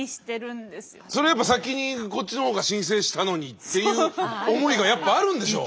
それは先にこっちの方が申請したのにっていう思いがやっぱあるんでしょう。